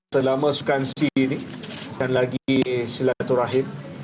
selama sukan si ini dan lagi silaturahim